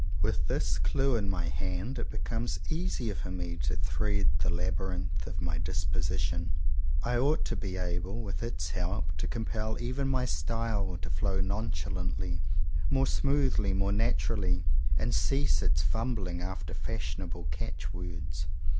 With this clue in my hand it becomes easier for me to thread the labyrinth of my disposition. I ought to be able, with its help to compel even my style to flow 155 CONFESSIONS OF TWO BROTHERS nonchalantly, more smoothly, more natural ly; and cease its fumbling after fashionable catch words.